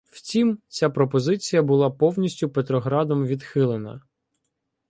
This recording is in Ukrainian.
Втім, ця пропозиція була повністю Петроградом відхилена.